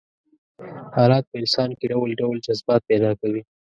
حالات په انسان کې ډول ډول جذبات پيدا کوي.